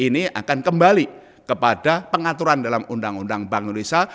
ini akan kembali kepada pengaturan dalam undang undang bank indonesia